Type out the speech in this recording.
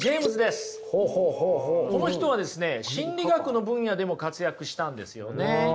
この人はですね心理学の分野でも活躍したんですよね。